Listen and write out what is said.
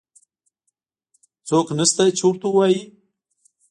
چا نشته چې ورته ووایي.